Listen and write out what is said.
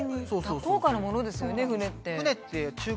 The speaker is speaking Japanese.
高価なものですよね船って。